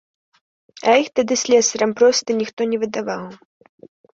А іх тады слесарам проста ніхто не выдаваў.